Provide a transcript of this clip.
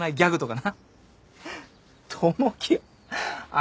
あ